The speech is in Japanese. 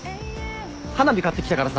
花火買ってきたからさ。